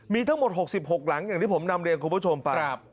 มีทั้งหมด๖๖หลังอย่างที่ผมนำเรียนคุณผู้ชมไป